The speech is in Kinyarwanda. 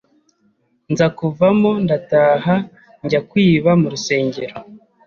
Nza kuvamo ndataha njya kwiba mu rusengero